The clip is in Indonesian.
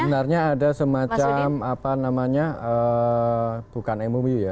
sebenarnya ada semacam apa namanya bukan mou ya